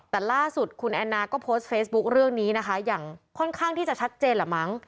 แต่ล่าสุดคุณแอนนาก็โพสต์เฟซบุ๊คเรื่องนี้นะคะอย่างค่อนข้างที่จะชัดเจนแหละมั้ง